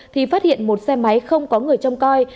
thì phát hiện một xe máy không có người trông coi